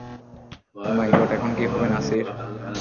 Oh my God, এখন কি হবে নাসির?